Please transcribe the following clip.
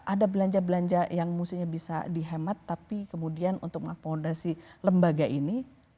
ada belanja belanja yang mestinya bisa dihemat tapi kemudian untuk mengakomodasi lembaga ini